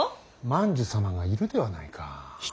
万寿様がいるではないか。